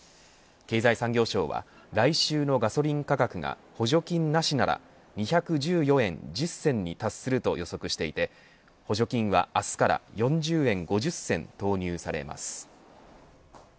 経済産業省は来週のガソリン価格が補助金なしなら２１４円１０銭に達すると予測していて、補助金は明日から４０円５０銭投入されます。